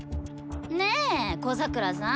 ねえ小桜さん？